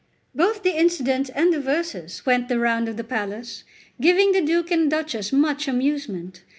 2 Both the incident and the verses went the round of the palace, giving the Duke and Duchess much amusement.